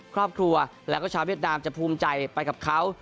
ครอบครัวแล้วก็ชาวเวียดนามจะภูมิใจไปกับเขา